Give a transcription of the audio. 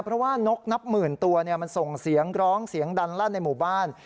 เพราะว่านกนับหมื่นตัวมันส่งเสียงร้องเสียงดันลั่นในหมู่บ้าน